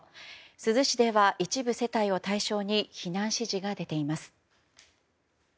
珠洲市では一部世帯を対象に避難指示が出ています。